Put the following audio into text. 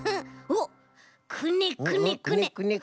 おっくねくねくね。